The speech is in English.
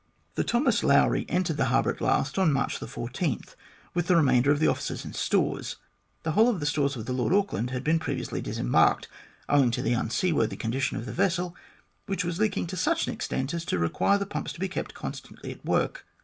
The Thomas Lowry entered the harbour at last on March 14, with the remainder of the officers and stores. The whole of the stores of the Lord Auckland had been previously disembarked, owing to the unseaworthy condition of the vessel, which was leaking to such an extent as to require the pumps to be kept constantly at work.